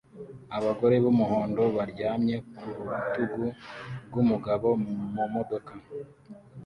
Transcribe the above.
Abagore b'umuhondo baryamye ku rutugu rw'umugabo mu modoka